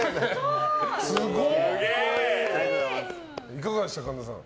いかがでした、神田さん。